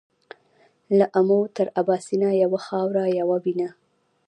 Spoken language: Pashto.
له امو تر اباسينه يوه خاوره يوه وينه.